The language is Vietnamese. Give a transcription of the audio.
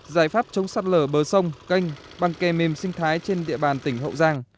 giải pháp chống sạt lở bờ sông canh bằng kè mềm sinh thái trên địa bàn tỉnh hậu giang